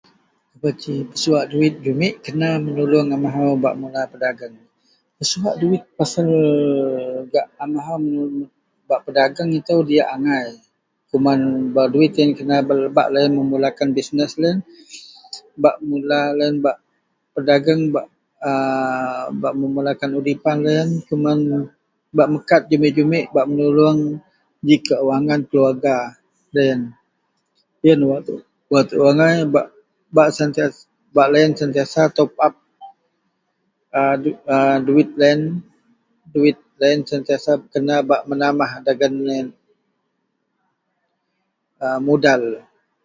Suwak duit kumek kena menulung a mahau suak duit pasal gak a mahau ba pedagang ito diak angai keman duit yian kena nebak lo yian memulakan business lo yian ba perdagang keman udipan lo yian ba mekat jumek-jumek ba menulung ji kewangan keluarga lo yian, yianlah wak tuu angai ba lo yian sentiasa kena to up duit dan ba menambah modal.